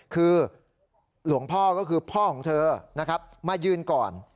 คือหลวงพ่อก็คือพ่อของเธอนะครับมายืนก่อน